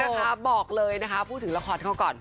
จริงนะคะบอกเลยนะคะพูดถึงละครเค้าก่อน